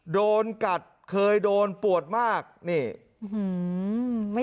โดนกัดเคยโดนปวดมากนี่